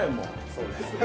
そうですよね。